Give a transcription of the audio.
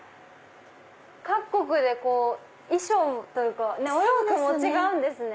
各国で衣装というかお洋服も違うんですね。